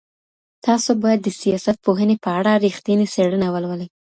تاسو بايد د سياست پوهني په اړه رښتينې څېړنه ولولئ.